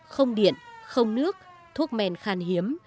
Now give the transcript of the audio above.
không điện không nước thuốc men khan hiếm